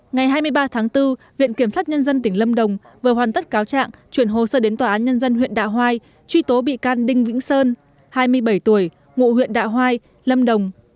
ngày hai mươi ba tháng bốn viện kiểm sát nhân dân tỉnh lâm đồng vừa hoàn tất cáo trạng chuyển hồ sơ đến tòa án nhân dân huyện đạo hoai truy tố bị can đinh vĩnh sơn hai mươi bảy tuổi ngụ huyện đạo hoai lâm đồng